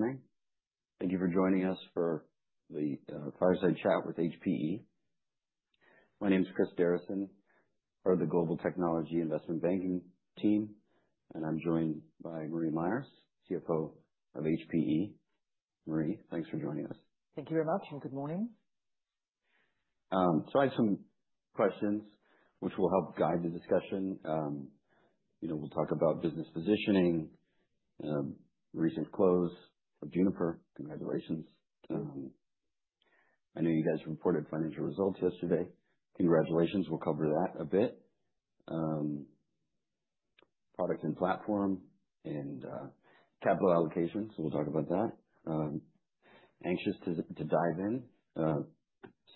Thank you all for coming. Thank you for joining us for the fireside chat with HPE. My name is Chris Derison, part of the Global Technology Investment Banking team, and I'm joined by Marie Myers, CFO of HPE. Marie, thanks for joining us. Thank you very much, and Good morning. So I have some questions which will help guide the discussion. You know, we'll talk about business positioning, recent close of Juniper. Congratulations. I know you guys reported financial results yesterday. Congratulations. We'll cover that a bit. Product and platform and capital allocation, so we'll talk about that. Anxious to dive in.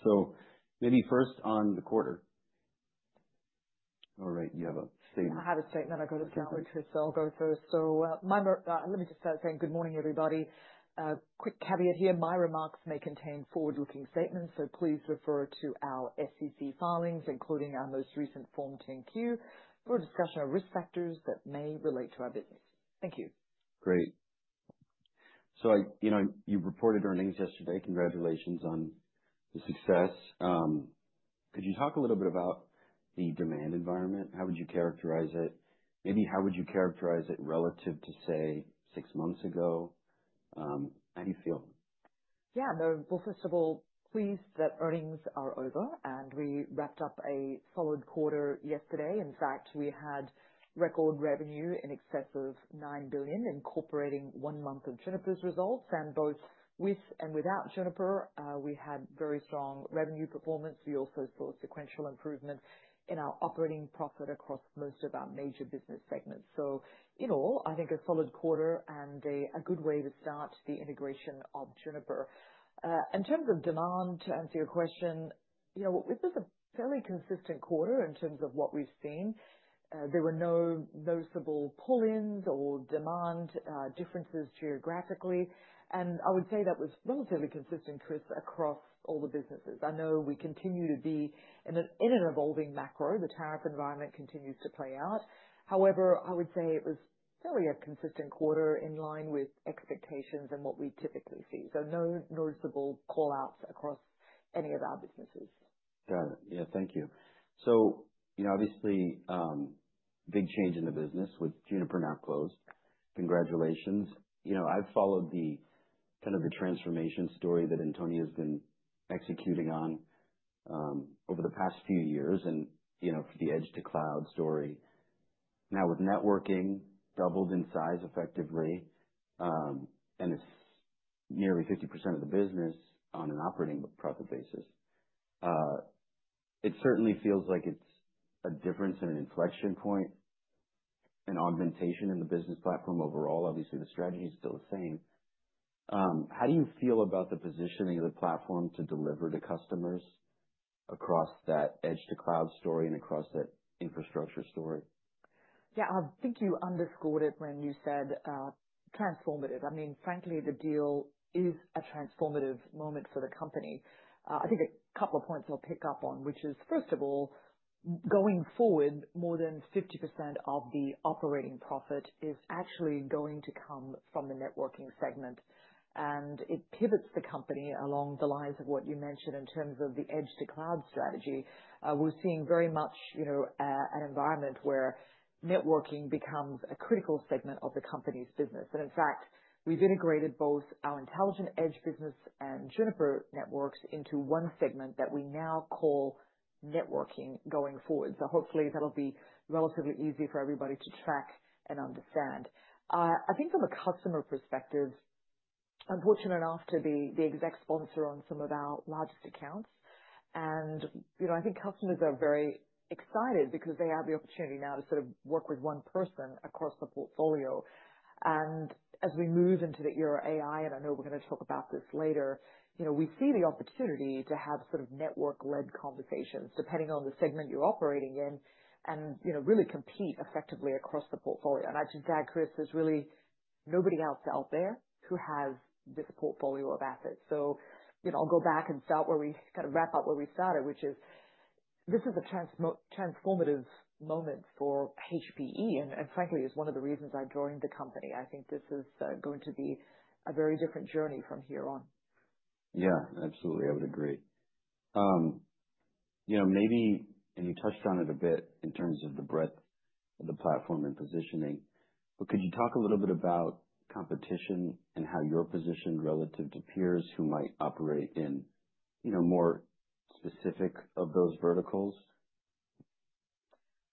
So maybe first on the quarter. Alright, you have a statement? I have a statement. I got to Networkingtleman, Chris, so I'll go first. So, let me just start saying good morning, everybody. Quick caveat here, my remarks may contain forward-looking statements, so please refer to our SEC filings, including our most recent Form 10-Q, for a discussion of risk factors that may relate to our business. Thank you. Great. So you know, you reported earnings yesterday. Congratulations on the success. Could you talk a little bit about the demand environment? How would you characterize it? Maybe how would you characterize it relative to, say, six months ago? How do you feel? Yeah. No, well, first of all, pleased that earnings are over, and we wrapped up a solid quarter yesterday. In fact, we had record revenue in excess of $9 billion, incorporating one month of Juniper's results. And both with and without Juniper, we had very strong revenue performance. We also saw sequential improvement in our operating profit across most of our major business segments. So in all, I think a solid quarter and a good way to start the integration of Juniper. In terms of demand, to answer your question, you know, it was a fairly consistent quarter in terms of what we've seen. There were no noticeable pull-ins or demand differences geographically. And I would say that was relatively consistent, Chris, across all the businesses. I know we continue to be in an evolving macro. The tariff environment continues to play out. However, I would say it was fairly a consistent quarter in line with expectations and what we typically see. So no noticeable call-outs across any of our businesses. Got it. Yeah, thank you. So, you know, obviously, big change in the business with Juniper now closed. Congratulations. You know, I've followed the kind of the transformation story that Antonio's been executing on, over the past few years and, you know, for the Edge-to-Cloud story. Now, with Networking doubled in size effectively, and it's nearly 50% of the business on an operating profit basis, it certainly feels like it's a difference and an inflection point in augmentation in the business platform overall. Obviously, the strategy is still the same. How do you feel about the positioning of the platform to deliver to customers across that Edge-to-Cloud story and across that infrastructure story? Yeah, I think you underscored it when you said transformative. I mean, frankly, the deal is a transformative moment for the company. I think a couple of points I'll pick up on, which is, first of all, going forward, more than 50% of the operating profit is actually going to come from the Networking segment, and it pivots the company along the lines of what you mentioned in terms of the edge-to-cloud strategy. We're seeing very much, you know, an environment where Networking becomes a critical segment of the company's business, and in fact, we've integrated both our Intelligent Edge business and Juniper Networks into one segment that we now call Networking going forward, so hopefully, that'll be relatively easy for everybody to track and understand. I think from a customer perspective, I'm fortunate enough to be the exec sponsor on some of our largest accounts, and, you know, I think customers are very excited because they have the opportunity now to sort of work with one person across the portfolio. And as we move into the era of AI, and I know we're going to talk about this later, you know, we see the opportunity to have sort of network-led conversations depending on the segment you're operating in, and, you know, really compete effectively across the portfolio. And I should add, Chris, there's really nobody else out there who has this portfolio of assets. So, you know, I'll go back and start where we... Kind of wrap up where we started, which is this is a transformative moment for HPE, and frankly, is one of the reasons I joined the company. I think this is going to be a very different journey from here on. Yeah, absolutely. I would agree. You know, maybe, and you touched on it a bit in terms of the breadth of the platform and positioning, but could you talk a little bit about competition and how you're positioned relative to peers who might operate in, you know, more specific of those verticals?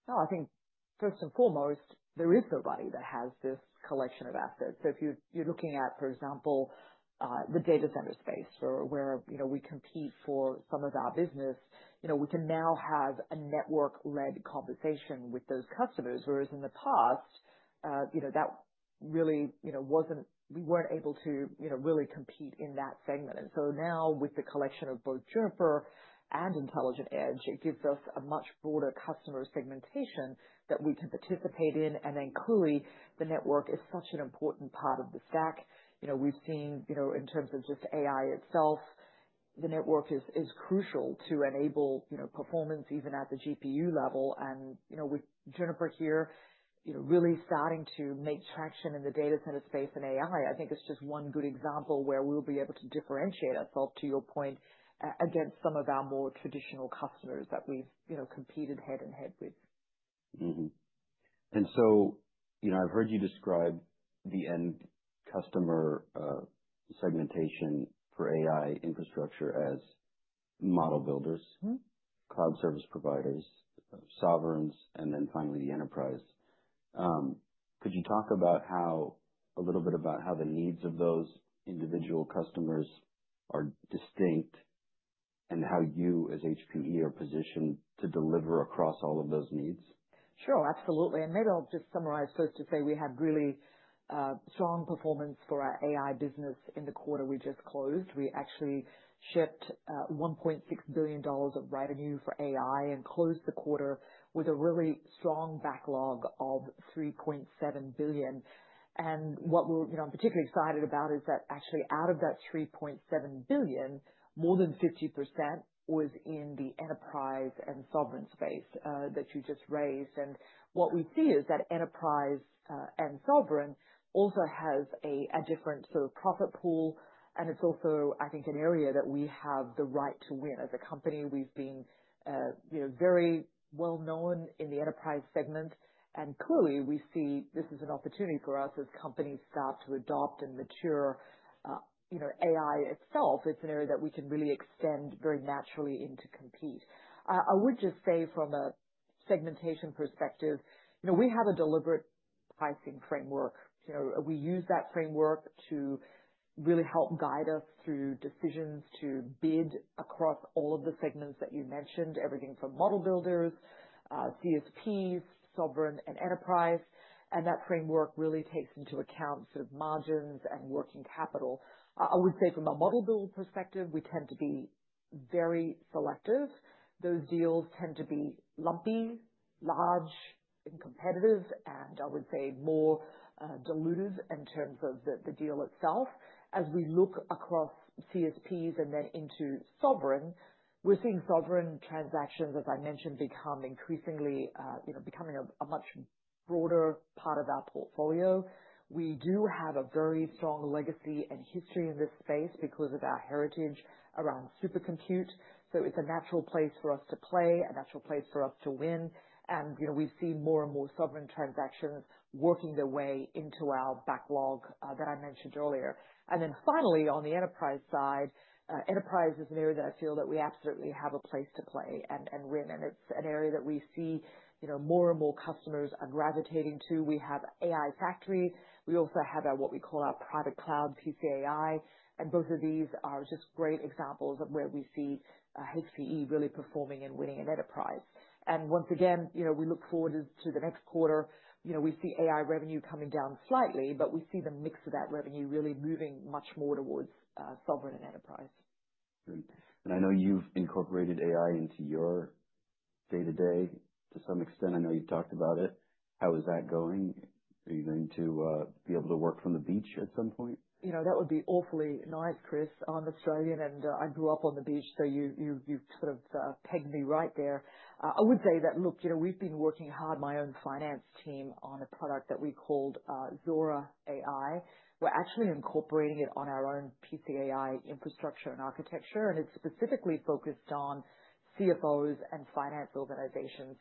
No, I think first and foremost, there is nobody that has this collection of assets. So if you're looking at, for example, the data center space or where, you know, we compete for some of our business, you know, we can now have a network-led conversation with those customers, whereas in the past, that really, you know, we weren't able to, you know, really compete in that segment. And so now with the collection of both Juniper and Intelligent Edge, it gives us a much broader customer segmentation that we can participate in, and then clearly, the network is such an important part of the stack. You know, we've seen, you know, in terms of just AI itself, the network is crucial to enable, you know, performance even at the GPU level. You know, with Juniper here, you know, really starting to make traction in the data center space and AI, I think it's just one good example where we'll be able to differentiate ourselves, to your point, against some of our more traditional customers that we've, you know, competed head-to-head with. Mm-hmm. And so, you know, I've heard you describe the end customer segmentation for AI infrastructure as model builders- Mm-hmm. Cloud service providers, sovereigns, and then finally the enterprise. Could you talk about how, a little bit about how the needs of those individual customers are distinct, and how you, as HPE, are positioned to deliver across all of those needs? Sure, absolutely. And maybe I'll just summarize first to say we had really strong performance for our AI business in the quarter we just closed. We actually shipped $1.6 billion of revenue for AI and closed the quarter with a really strong backlog of $3.7 billion. And what we're, you know, I'm particularly excited about is that actually, out of that $3.7 billion, more than 50% was in the enterprise and sovereign space that you just raised. And what we see is that enterprise and sovereign also has a different sort of profit pool, and it's also, I think, an area that we have the right to win. As a company, we've been, you know, very well known in the enterprise segment, and clearly, we see this is an opportunity for us as companies start to adopt and mature, you know, AI itself. It's an area that we can really extend very naturally into compete. I would just say from a segmentation perspective, you know, we have a deliberate pricing framework. You know, we use that framework to really help guide us through decisions to bid across all of the segments that you mentioned, everything from model builders, CSPs, sovereign, and enterprise, and that framework really takes into account sort of margins and working capital. I would say from a model build perspective, we tend to be very selective. Those deals tend to be lumpy, large, and competitive, and I would say more dilutive in terms of the deal itself. As we look across CSPs and then into sovereign, we're seeing sovereign transactions, as I mentioned, become increasingly, you know, becoming a much broader part of our portfolio. We do have a very strong legacy and history in this space because of our heritage around supercomputing, so it's a natural place for us to play, a natural place for us to win. And, you know, we see more and more sovereign transactions working their way into our backlog, that I mentioned earlier. And then finally, on the enterprise side, enterprise is an area that I feel that we absolutely have a place to play and win, and it's an area that we see, you know, more and more customers are gravitating to. We have AI Factory. We also have our, what we call our private cloud, PCAI, and both of these are just great examples of where we see HPE really performing and winning in enterprise, and once again, you know, we look forward to the next quarter. You know, we see AI revenue coming down slightly, but we see the mix of that revenue really moving much more towards sovereign and enterprise. Great. And I know you've incorporated AI into your day-to-day to some extent. I know you've talked about it. How is that going? Are you going to be able to work from the beach at some point? You know, that would be awfully nice, Chris. I'm Australian, and I grew up on the beach, so you've sort of pegged me right there. I would say that, look, you know, we've been working hard, my own finance team, on a product that we called Zora AI. We're actually incorporating it on our own PCAI infrastructure and architecture, and it's specifically focused on CFOs and finance organizations.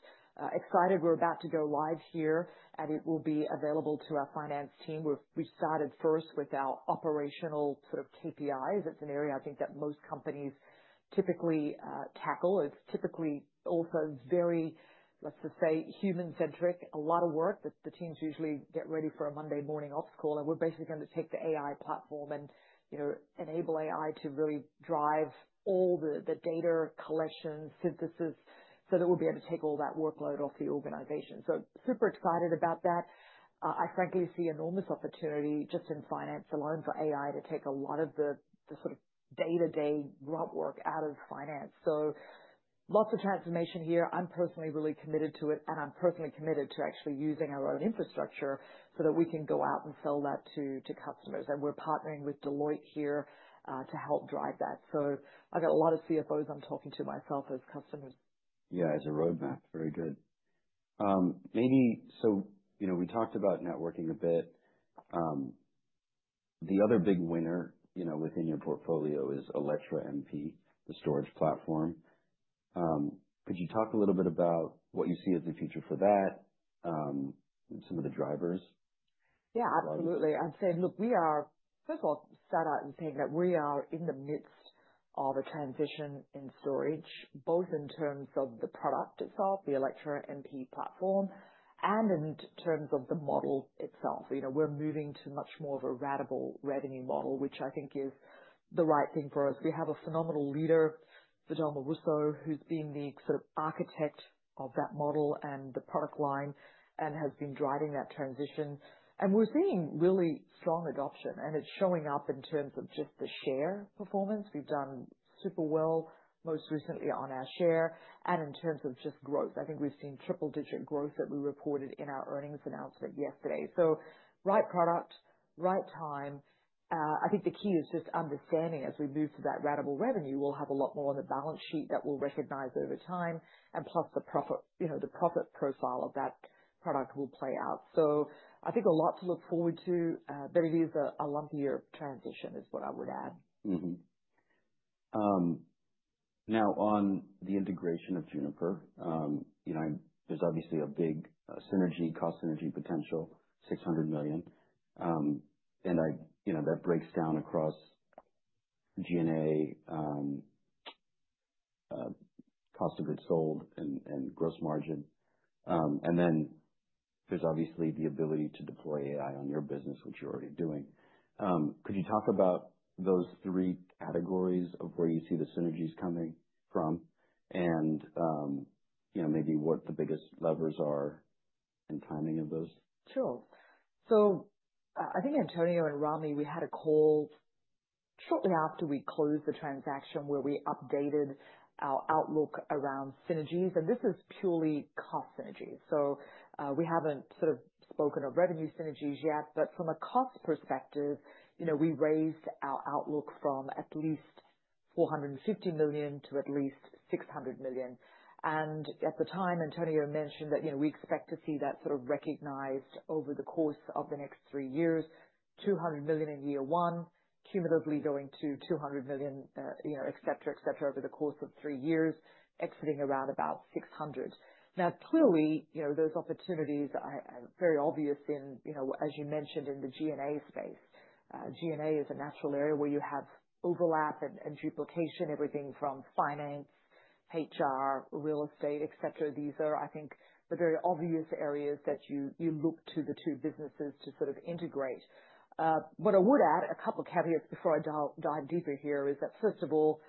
Excited, we're about to go live here, and it will be available to our finance team. We've started first with our operational sort of KPIs. It's an area I think that most companies typically tackle. It's typically also very, let's just say, human-centric, a lot of work that the teams usually get ready for a Monday morning ops call, and we're basically going to take the AI platform and, you know, enable AI to really drive all the data collection, synthesis, so that we'll be able to take all that workload off the organization. So super excited about that. I frankly see enormous opportunity just in finance alone for AI to take a lot of the sort of day-to-day grunt work out of finance. So lots of transformation here. I'm personally really committed to it, and I'm personally committed to actually using our own infrastructure so that we can go out and sell that to customers. And we're partnering with Deloitte here to help drive that. So I've got a lot of CFOs I'm talking to, myself as customers. Yeah, as a roadmap. Very good. So, you know, we talked about Networking a bit. The other big winner, you know, within your portfolio is Alletra MP, the storage platform. Could you talk a little bit about what you see as the future for that, and some of the drivers? Yeah, absolutely. I'd say, look, we are, first of all, start out in saying that we are in the midst of a transition in storage, both in terms of the product itself, the Alletra MP platform, and in terms of the model itself. You know, we're moving to much more of a ratable revenue model, which I think is the right thing for us. We have a phenomenal leader, Fidelma Russo, who's been the sort of architect of that model and the product line and has been driving that transition. And we're seeing really strong adoption, and it's showing up in terms of just the share performance. We've done super well, most recently on our share, and in terms of just growth. I think we've seen triple-digit growth that we reported in our earnings announcement yesterday. So right product, right time. I think the key is just understanding as we move to that ratable revenue, we'll have a lot more on the balance sheet that we'll recognize over time, and plus the profit, you know, the profit profile of that product will play out. So I think a lot to look forward to, but it is a lumpier transition, is what I would add. Now on the integration of Juniper, you know, there's obviously a big synergy, cost synergy potential, $600 million. And I, you know, that breaks down across G&A, cost of goods sold and gross margin. And then there's obviously the ability to deploy AI on your business, which you're already doing. Could you talk about those three categories of where you see the synergies coming from? And, you know, maybe what the biggest levers are and timing of those? Sure. So I think Antonio and Rami, we had a call shortly after we closed the transaction, where we updated our outlook around synergies, and this is purely cost synergies. So we haven't sort of spoken of revenue synergies yet, but from a cost perspective, you know, we raised our outlook from at least $450 million to at least $600 million. And at the time, Antonio mentioned that, you know, we expect to see that sort of recognized over the course of the next three years. $200 million in year one, cumulatively going to $200 million, you know, et cetera, et cetera, over the course of three years, exiting around about $600 million. Now, clearly, you know, those opportunities are very obvious in, you know, as you mentioned, in the G&A space. G&A is a natural area where you have overlap and duplication, everything from finance, HR, real estate, et cetera. These are, I think, the very obvious areas that you look to the two businesses to sort of integrate. What I would add, a couple caveats before I dive deeper here, is that, first of all,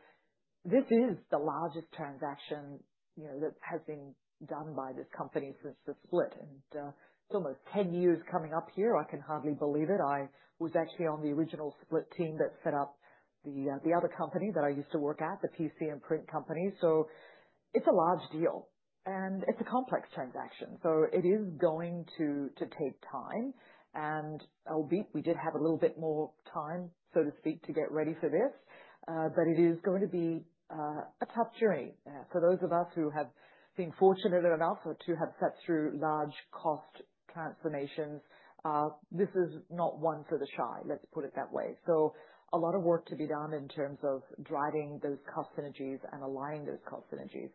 this is the largest transaction, you know, that has been done by this company since the split, and it's almost 10 years coming up here. I can hardly believe it. I was actually on the original split team that set up the other company that I used to work at, the PC and print company, so it's a large deal, and it's a complex transaction, so it is going to take time. And albeit, we did have a little bit more time, so to speak, to get ready for this, but it is going to be a tough journey. For those of us who have been fortunate enough to have sat through large cost transformations, this is not one for the shy, let's put it that way. So a lot of work to be done in terms of driving those cost synergies and aligning those cost synergies.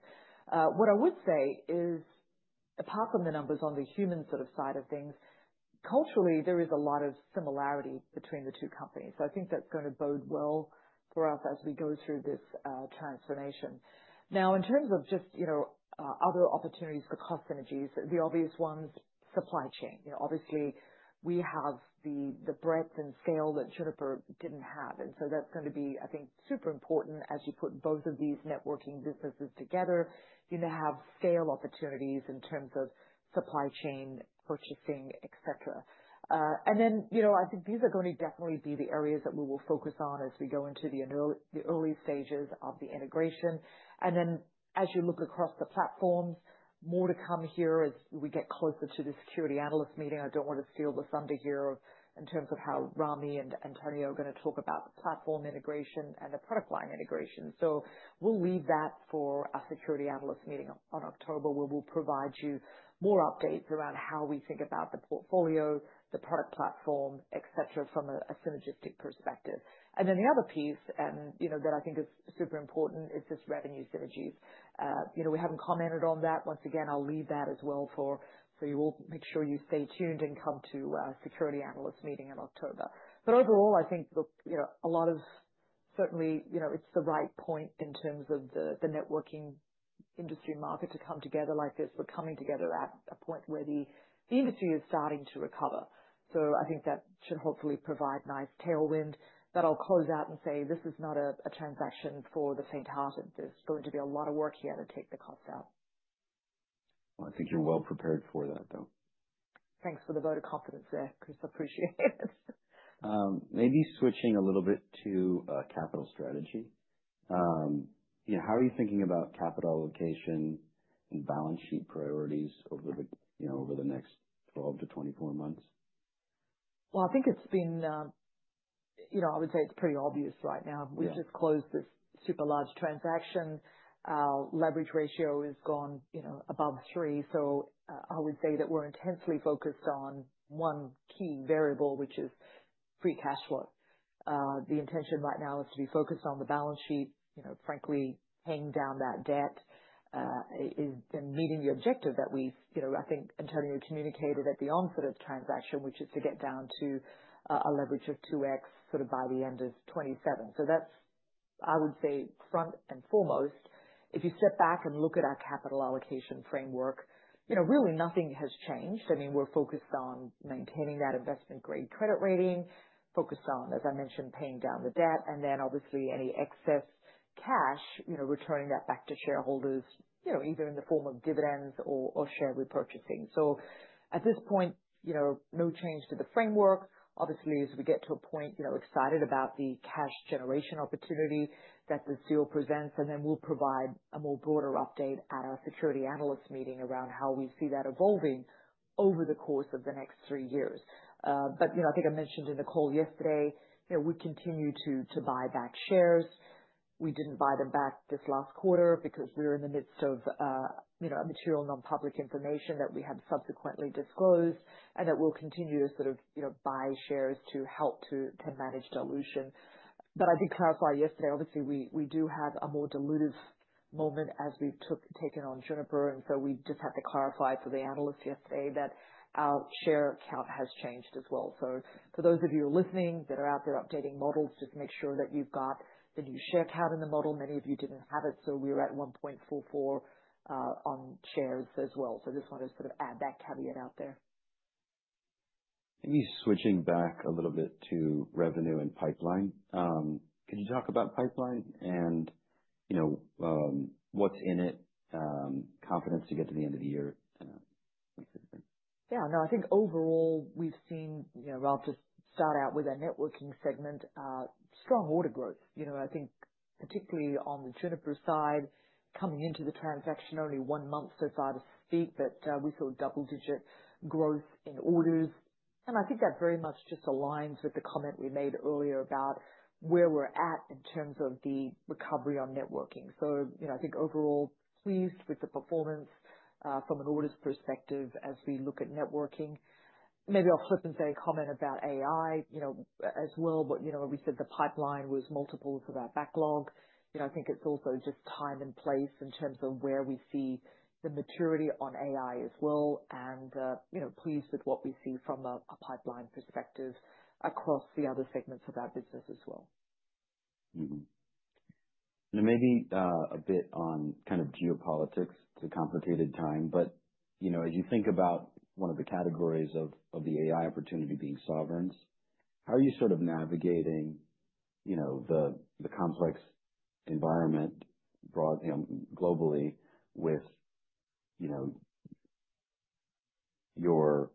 What I would say is, apart from the numbers on the human sort of side of things, culturally, there is a lot of similarity between the two companies. So I think that's going to bode well for us as we go through this transformation. Now, in terms of just, you know, other opportunities for cost synergies, the obvious one's supply chain. You know, obviously, we have the breadth and scale that Juniper didn't have, and so that's going to be, I think, super important as you put both of these Networking businesses together. You now have scale opportunities in terms of supply chain, purchasing, et cetera. And then, you know, I think these are going to definitely be the areas that we will focus on as we go into the early stages of the integration. Then as you look across the platforms, more to come here as we get closer to the Security Analyst Meeting. I don't want to steal the thunder here of, in terms of how Rami and Antonio are going to talk about the platform integration and the product line integration. So we'll leave that for our Security Analyst Meeting on October, where we'll provide you more updates around how we think about the portfolio, the product platform, et cetera, from a synergistic perspective. And then the other piece, you know, that I think is super important is just revenue synergies. You know, we haven't commented on that. Once again, I'll leave that as well for... So you all make sure you stay tuned and come to Security Analyst Meeting in October. But overall, I think, look, you know, a lot of, certainly, you know, it's the right point in terms of the Networking industry market to come together like this. We're coming together at a point where the industry is starting to recover. So I think that should hopefully provide nice tailwind. But I'll close out and say this is not a transaction for the faint-hearted. There's going to be a lot of work here to take the costs out. I think you're well prepared for that, though. Thanks for the vote of confidence there, Chris. I appreciate it. Maybe switching a little bit to capital strategy. You know, how are you thinking about capital allocation and balance sheet priorities over the, you know, over the next twelve to twenty-four months? I think it's been, you know, I would say it's pretty obvious right now. Yeah. We just closed this super large transaction. Our leverage ratio has gone, you know, above three. So I would say that we're intensely focused on one key variable, which is free cash flow. The intention right now is to be focused on the balance sheet. You know, frankly, paying down that debt is and meeting the objective that we've, you know, I think Antonio communicated at the onset of the transaction, which is to get down to a leverage of 2x sort of by the end of 2027. So that's, I would say, front and foremost. If you step back and look at our capital allocation framework, you know, really nothing has changed. I mean, we're focused on maintaining that investment-grade credit rating, focused on, as I mentioned, paying down the debt, and then obviously any excess cash, you know, returning that back to shareholders, you know, either in the form of dividends or, or share repurchasing. So at this point, you know, no change to the framework. Obviously, as we get to a point, you know, excited about the cash generation opportunity that this deal presents, and then we'll provide a more broader update at our Security Analyst Meeting around how we see that evolving over the course of the next three years. But, you know, I think I mentioned in the call yesterday, you know, we continue to buy back shares. We didn't buy them back this last quarter because we were in the midst of, you know, a material non-public information that we have subsequently disclosed, and that we'll continue to sort of, you know, buy shares to help to manage dilution. But I did clarify yesterday, obviously, we do have a more dilutive moment as we've taken on Juniper, and so we just had to clarify for the analyst yesterday that our share count has changed as well. For those of you who are listening, that are out there updating models, just make sure that you've got the new share count in the model. Many of you didn't have it, so we're at 1.44 on shares as well. Just wanted to sort of add that caveat out there. Maybe switching back a little bit to revenue and pipeline. Can you talk about pipeline and, you know, what's in it, confidence to get to the end of the year? Yeah, no, I think overall we've seen, you know, I'll just start out with our Networking segment, strong order growth. You know, I think particularly on the Juniper side, coming into the transaction only one month so far, to speak, but we saw double-digit growth in orders. And I think that very much just aligns with the comment we made earlier about where we're at in terms of the recovery on Networking. So, you know, I think overall, pleased with the performance from an orders perspective as we look at Networking. Maybe I'll flip and say a comment about AI, you know, as well, but you know, we said the pipeline was multiples of our backlog. You know, I think it's also just time and place in terms of where we see the maturity on AI as well, and, you know, pleased with what we see from a pipeline perspective across the other segments of our business as well. Mm-hmm. And maybe a bit on kind of geopolitics. It's a complicated time, but, you know, as you think about one of the categories of the AI opportunity being sovereigns, how are you sort of navigating, you know, the complex environment broadly and globally with, you know, your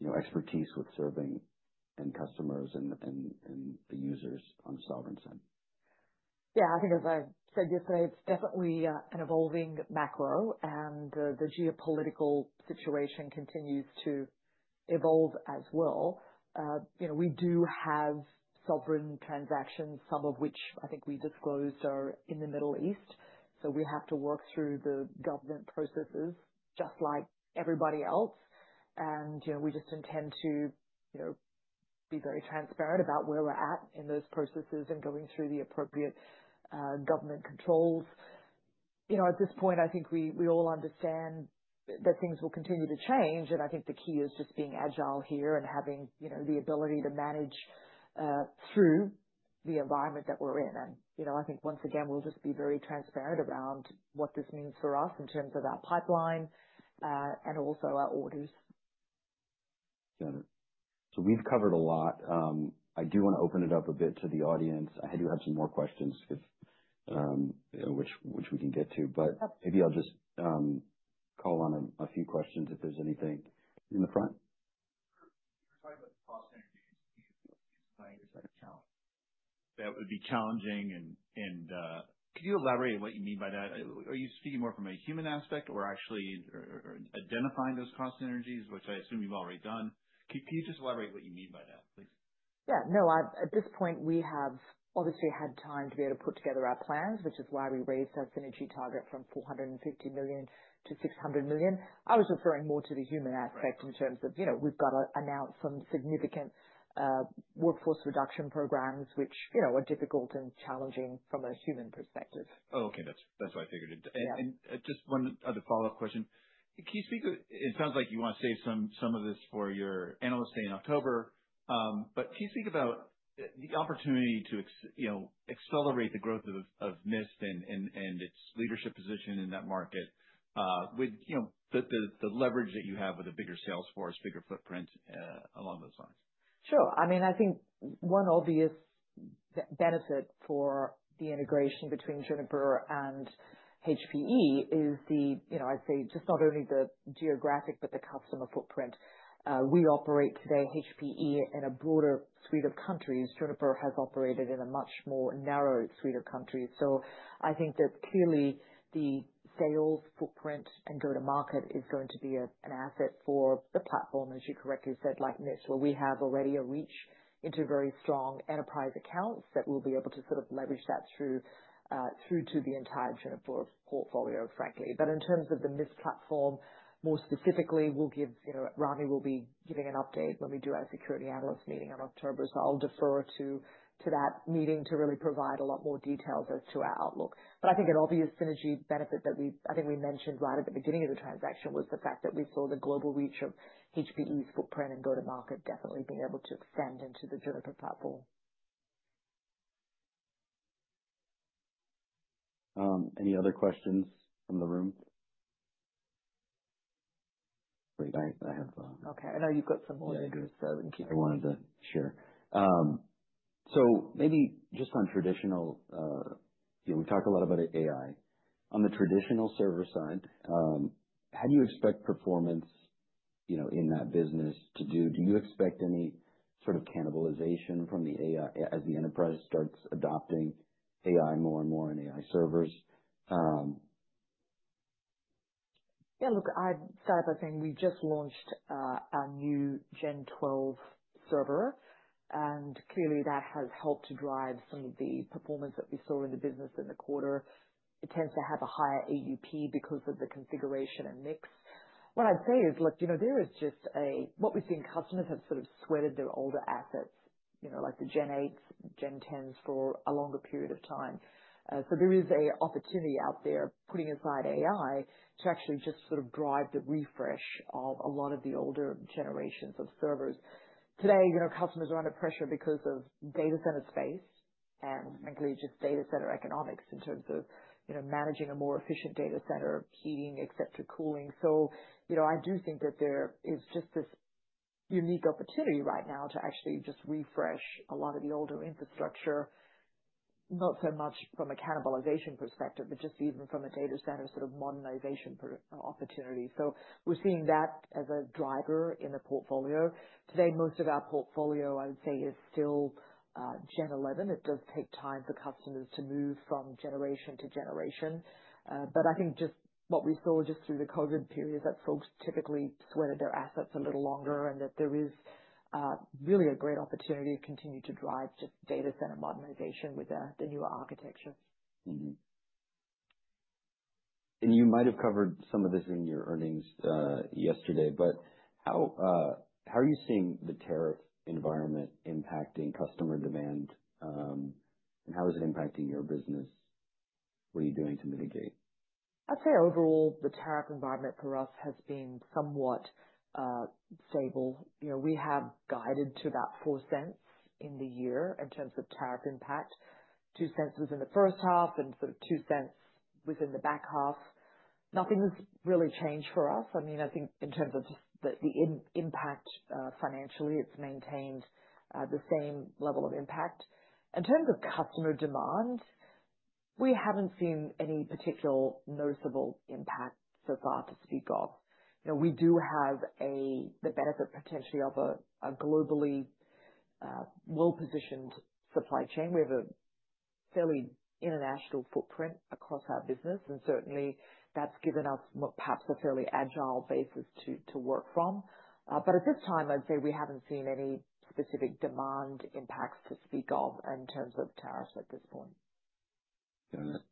you know expertise with serving end customers and the users on the sovereign side? Yeah, I think as I said yesterday, it's definitely an evolving macro, and the geopolitical situation continues to evolve as well. You know, we do have sovereign transactions, some of which I think we disclosed are in the Middle East, so we have to work through the government processes just like everybody else, and you know, we just intend to, you know, be very transparent about where we're at in those processes and going through the appropriate government controls. You know, at this point, I think we all understand that things will continue to change, and I think the key is just being agile here and having, you know, the ability to manage through the environment that we're in. You know, I think once again, we'll just be very transparent around what this means for us in terms of our pipeline, and also our orders. Got it. So we've covered a lot. I do want to open it up a bit to the audience. I know you have some more questions, which we can get to, but- Sure. Maybe I'll just call on a few questions, if there's anything in the front. You were talking about cost synergies. That would be challenging and could you elaborate on what you mean by that? Are you speaking more from a human aspect or actually identifying those cost synergies, which I assume you've already done? Can you just elaborate what you mean by that, please? Yeah. No, at this point, we have obviously had time to be able to put together our plans, which is why we raised our synergy target from $450 million to $600 million. I was referring more to the human aspect in terms of, you know, we've got to announce some significant workforce reduction programs, which, you know, are difficult and challenging from a human perspective. Oh, okay. That's what I figured it. Yeah. Just one other follow-up question. Can you speak to... It sounds like you want to save some of this for your analyst day in October, but can you speak about the opportunity to, you know, accelerate the growth of Mist and its leadership position in that market, with, you know, the leverage that you have with a bigger sales force, bigger footprint, along those lines? Sure. I mean, I think one obvious benefit for the integration between Juniper and HPE is the, you know, I'd say just not only the geographic, but the customer footprint. We operate today, HPE, in a broader suite of countries. Juniper has operated in a much more narrow suite of countries. So I think that clearly the sales footprint and go-to-market is going to be an asset for the platform, as you correctly said, like Mist, where we have already a reach into very strong enterprise accounts, that we'll be able to sort of leverage that through to the entire Juniper portfolio, frankly. But in terms of the Mist platform, more specifically, we'll give, you know, Rami will be giving an update when we do our Security Analyst Meeting in October. So I'll defer to that meeting to really provide a lot more details as to our outlook. But I think an obvious synergy benefit that we, I think we mentioned right at the beginning of the transaction, was the fact that we saw the global reach of HPE's footprint and go-to-market definitely being able to extend into the Juniper platform. Any other questions from the room? Great, I have, Okay, I know you've got some more. Yeah, I do. I wanted to... Sure. So maybe just on traditional, you know, we talked a lot about AI. On the traditional server side, how do you expect performance, you know, in that business to do? Do you expect any sort of cannibalization from the AI, as the enterprise starts adopting AI more and more in AI servers? Yeah, look, I'd start by saying we just launched our new Gen12 server, and clearly that has helped to drive some of the performance that we saw in the business in the quarter. It tends to have a higher AUP because of the configuration and mix. What I'd say is, look, you know, there is just what we've seen, customers have sort of sweated their older assets, you know, like the Gen8s, Gen10s, for a longer period of time. So there is an opportunity out there, putting aside AI, to actually just sort of drive the refresh of a lot of the older generations of servers. Today, you know, customers are under pressure because of data center space and really just data center economics in terms of, you know, managing a more efficient data center, heating, et cetera, cooling. So, you know, I do think that there is just this unique opportunity right now to actually just refresh a lot of the older infrastructure, not so much from a cannibalization perspective, but just even from a data center sort of modernization opportunity. So we're seeing that as a driver in the portfolio. Today, most of our portfolio, I would say, is still Gen11. It does take time for customers to move from generation to generation. But I think just what we saw just through the COVID period, that folks typically sweated their assets a little longer and that there is really a great opportunity to continue to drive just data center modernization with the new architecture. Mm-hmm. And you might have covered some of this in your earnings yesterday, but how are you seeing the tariff environment impacting customer demand? And how is it impacting your business? What are you doing to mitigate? I'd say overall, the tariff environment for us has been somewhat stable. You know, we have guided to about $0.04 in the year in terms of tariff impact, $0.02 within the first half and sort of $0.02 within the back half. Nothing has really changed for us. I mean, I think in terms of just the impact financially, it's maintained the same level of impact. In terms of customer demand, we haven't seen any particular noticeable impact so far to speak of. You know, we do have the benefit potentially of a globally well-positioned supply chain. We have a fairly international footprint across our business, and certainly, that's given us perhaps a fairly agile basis to work from. But at this time, I'd say we haven't seen any specific demand impacts to speak of in terms of tariffs at this point. Got it,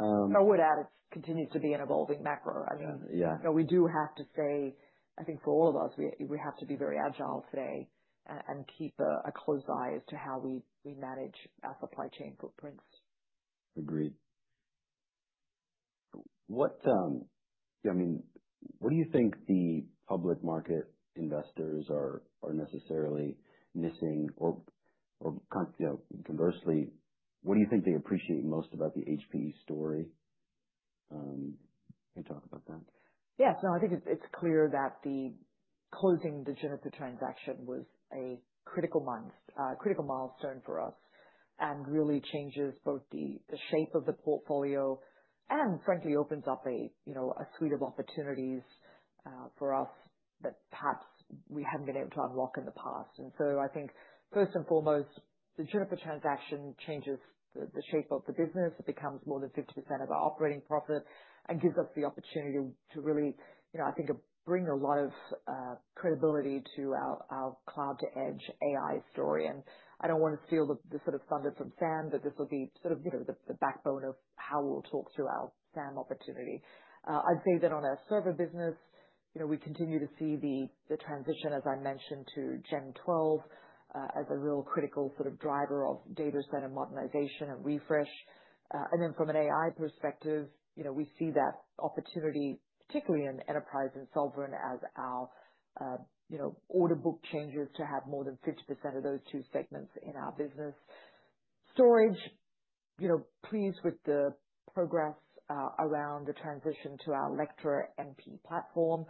I would add, it continues to be an evolving macro. Yeah. Yeah. We do have to say, I think for all of us, we have to be very agile today and keep a close eye as to how we manage our supply chain footprints. Agreed. What, I mean, what do you think the public market investors are necessarily missing? Or, you know, conversely, what do you think they appreciate most about the HPE story? Can you talk about that? Yes. No, I think it's clear that the closing of the Juniper transaction was a critical month, critical milestone for us, and really changes both the shape of the portfolio, and frankly, opens up, you know, a suite of opportunities for us that perhaps we haven't been able to unlock in the past. And so I think, first and foremost, the Juniper transaction changes the shape of the business. It becomes more than 50% of our operating profit and gives us the opportunity to really, you know, I think bring a lot of credibility to our cloud to edge AI story. And I don't want to steal the sort of thunder from SAM, but this will be, you know, the backbone of how we'll talk through our SAM opportunity. I'd say that on our server business, you know, we continue to see the transition, as I mentioned, to Gen12, as a real critical sort of driver of data center modernization and refresh. And then from an AI perspective, you know, we see that opportunity, particularly in the enterprise and sovereign, as our, you know, order book changes to have more than 50% of those two segments in our business. Storage, you know, pleased with the progress around the transition to our Alletra MP platform,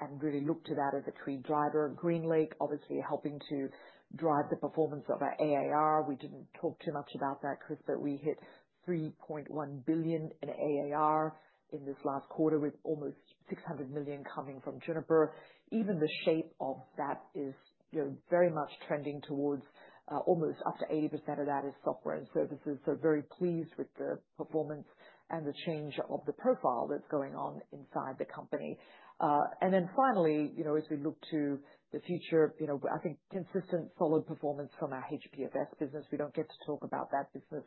and really look to that as a key driver. GreenLake, obviously helping to drive the performance of our ARR. We didn't talk too much about that, Chris, but we hit $3.1 billion in ARR in this last quarter, with almost $600 million coming from Juniper. Even the shape of that is, you know, very much trending towards almost up to 80% of that is software and services, so very pleased with the performance and the change of the profile that's going on inside the company, and then finally, you know, as we look to the future, you know, I think consistent, solid performance from our HPFS business. We don't get to talk about that business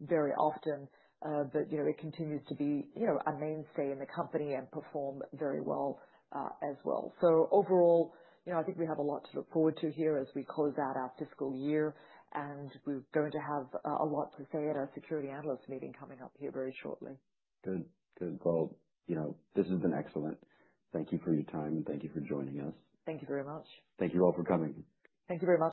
very often, but, you know, it continues to be, you know, a mainstay in the company and perform very well, as well, so overall, you know, I think we have a lot to look forward to here as we close out our fiscal year, and we're going to have a lot to say at our Security Analyst Meeting coming up here very shortly. Good. Good. Well, you know, this has been excellent. Thank you for your time, and thank you for joining us. Thank you very much. Thank you all for coming. Thank you very much.